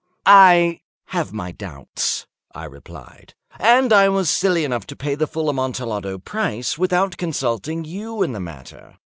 "I have my doubts," I replied; "and I was silly enough to pay the full Amontillado price without consulting you in the matter.